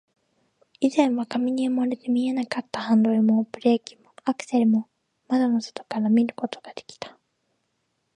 以前は紙に埋もれて見えなかったハンドルも、ブレーキも、アクセルも、窓の外から見ることができた